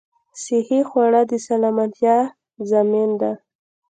صحې خواړه د سلامتيا ضامن ده